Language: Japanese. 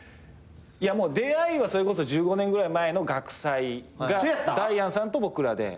出会いはそれこそ１５年ぐらい前の学祭がダイアンさんと僕らで。